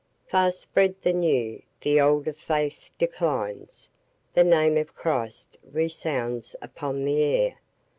Fast spreads the new; the older faith declines. The name of Christ resounds upon the air.